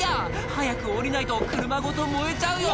早く降りないと車ごと燃えちゃうよ！